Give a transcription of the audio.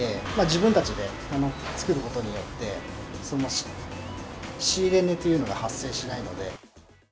自分たちで作ることによって、その仕入れ値というのが発生しないので。